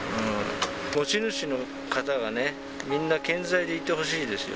持ち主の方がね、みんな健在でいてほしいですよ。